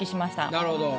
なるほど。